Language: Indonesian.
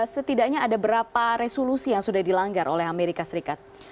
setidaknya ada berapa resolusi yang sudah dilanggar oleh amerika serikat